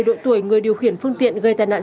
độ tuổi người điều khiển phương tiện gây tai nạn